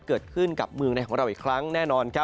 เกิดขึ้นกับเมืองในของเราอีกครั้งแน่นอน